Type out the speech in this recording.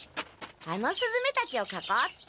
あのすずめたちをかこうっと！